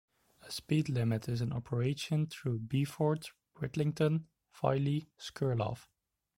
A speed limit is in operation through Beeford, Bridlington, Filey, Skirlaugh.